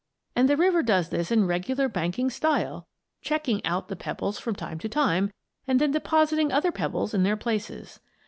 And the river does this in regular banking style, "checking out" the pebbles from time to time, and then depositing other pebbles in their places.